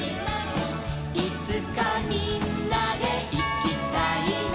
「いつかみんなでいきたいな」